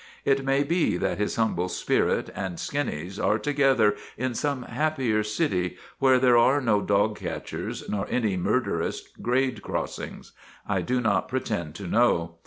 It may be that his humble spirit and Skinny's are together in some happier city where there are no dog catchers nor any murderous grade crossings. I do not pretend to know.